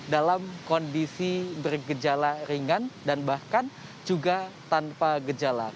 dalam kondisi bergejala ringan dan bahkan juga tanpa gejala